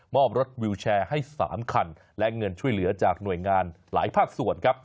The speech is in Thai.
อบรถวิวแชร์ให้๓คันและเงินช่วยเหลือจากหน่วยงานหลายภาคส่วนครับ